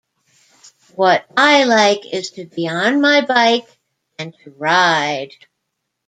What I like is to be on my bike and to ride.